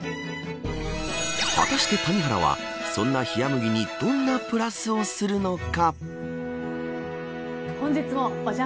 果たして谷原はそんな冷麦にどんなプラスをするのか。